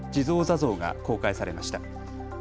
坐像が公開されました。